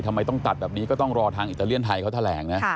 ทำไมต้องตัดแบบนี้ก็ต้องรอทางอิตาเลียนไทยเขาแถลงนะ